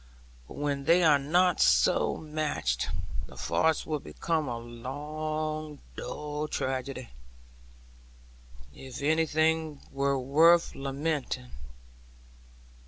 But when they are not so matched, the farce would become a long, dull tragedy, if anything were worth lamenting.